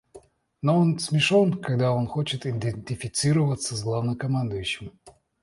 Но он смешон, когда он хочет идентифицироваться с главнокомандующим.